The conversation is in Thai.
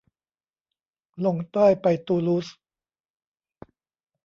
ลงใต้ไปตูลูส